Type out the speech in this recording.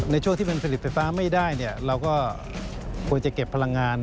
ในช่วงที่มันผลิตไฟฟ้าไม่ได้เราก็ควรจะเก็บพลังงาน